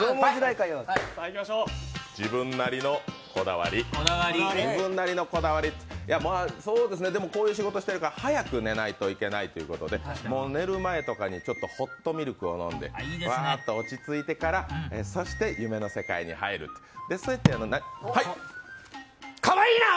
自分なりのこだわり、そうですねこういう仕事してるから早く寝ないといけないということで寝る前とかにホットミルクとかを飲んで、わーっと落ち着いてからそして、夢の世界に入るとそしてかわいいな！